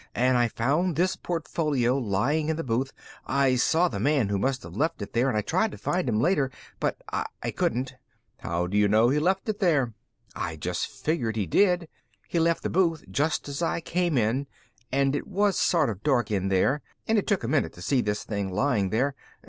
And I found this portfolio laying in the booth. I saw the man who must have left it there and I tried to find him later, but I couldn't." "How do you know he left it there?" "I just figured he did. He left the booth just as I came in and it was sort of dark in there and it took a minute to see this thing laying there.